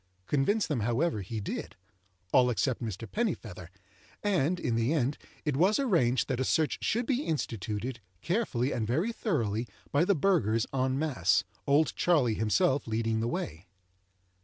Convince them, however, he did—all except Mr. Pennifeather, and, in the end, it was arranged that a search should be instituted, carefully and very thoroughly, by the burghers en masse, "Old Charley" himself leading the way.